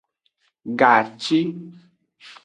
Gaci.